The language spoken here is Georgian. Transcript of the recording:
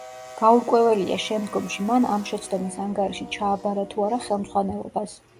გაურკვეველია, შემდგომში მან ამ შეცდომის ანგარიში ჩააბარა თუ არა ხელმძღვანელობას.